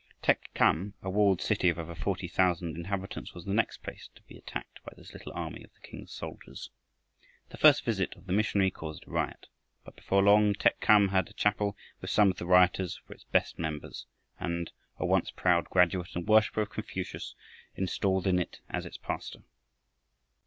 Tek chham, a walled city of over forty thousand inhabitants, was the next place to be attacked by this little army of the King's soldiers. The first visit of the missionary caused a riot, but before long Tek chham had a chapel with some of the rioters for its best members, and a once proud graduate and worshiper of Confucius installed in it as its pastor.